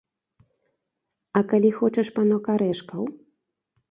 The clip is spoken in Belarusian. А калі хочаш, панок, арэшкаў?